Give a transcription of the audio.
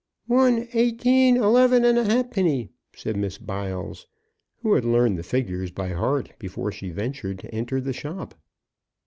"One, eighteen, eleven and a halfpenny," said Miss Biles, who had learned the figures by heart before she ventured to enter the shop.